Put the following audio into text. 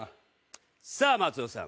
さあ松尾さん。